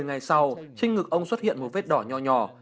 một mươi ngày sau trên ngực ông xuất hiện một vết đỏ nhỏ nhỏ